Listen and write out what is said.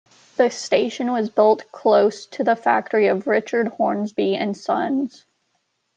The station was built close to the factory of Richard Hornsby and Sons.